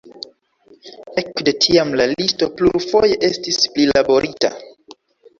Ekde tiam la listo plurfoje estis prilaborita.